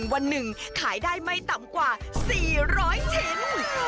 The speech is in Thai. วันหนึ่งขายได้ไม่ต่ำกว่า๔๐๐ชิ้น